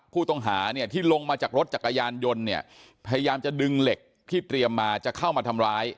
ผู้ต้องหาเนี่ยที่ลงมาจากรถจักรยานยนต์เนี่ยพยายามจะดึงเหล็กที่เตรียมมาจะเข้ามาทำร้าย